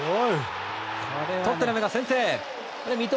トッテナムが先制。